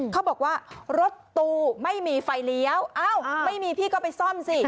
เขาบอกว่ารถตู้ไม่มีไฟเลี้ยวไม่มีพี่ก็ไปซ่อมสิ